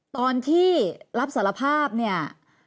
ตอนที่รับสารภาพเนี่ย